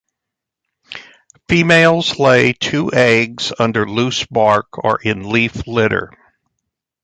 Females lay two eggs under loose bark or in leaf litter.